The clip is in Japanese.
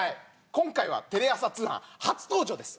今回はテレ朝通販初登場です。